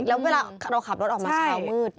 แล้วเวลาเราขับรถออกมาเช้ามืด